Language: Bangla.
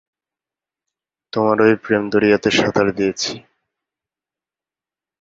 তোমারই প্রেম-দরিয়াতে সাঁতার দিয়েছি।